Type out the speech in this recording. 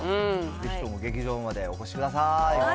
ぜひとも劇場までお越しください。